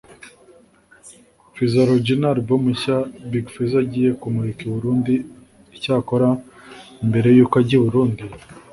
Fizology ni Album nshya Big Fizzo agiye kumurikira i Burundi icyakora mbere yuko ajya i Burundi